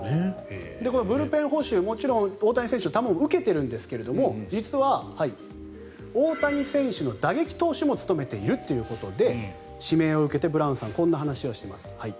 ブルペン捕手、もちろん大谷選手の球を受けているんですが実は大谷選手の打撃投手も務めているということで指名を受けてブラウンさんこんな話をしています。